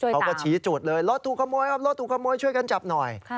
เขาก็ชี้จุดเลยรถถูกขโมยครับรถถูกขโมยช่วยกันจับหน่อย